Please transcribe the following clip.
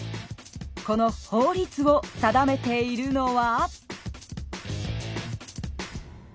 この法律を定めているのは？